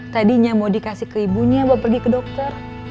tadinya mau dikasih ke ibunya mau pergi ke dokter